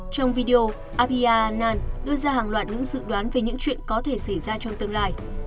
trong video abia ann đưa ra hàng loạt những dự đoán về những chuyện có thể xảy ra trong tương lai